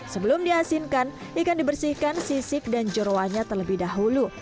sebelum diasinkan ikan dibersihkan sisik dan jeruannya terlebih dahulu